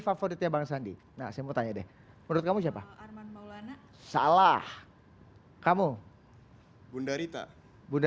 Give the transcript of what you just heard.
favoritnya bang sandi nah saya mau tanya deh menurut kamu siapa arman maulana salah kamu bunda rita bunda